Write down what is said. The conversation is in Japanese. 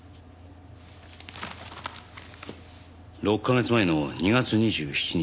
６カ月前の２月２７日未明